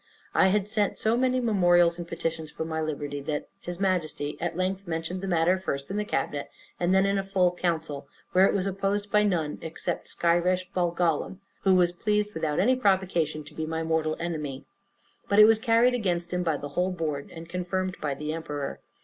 I had sent so many memorials and petitions for my liberty, that his Majesty at length mentioned the matter first in the cabinet, and then in a full council; where it was opposed by none, except Skyresh Bolgolam, who was pleased, without any provocation, to be my mortal enemy. But it was carried against him by the whole board, and confirmed by the emperor.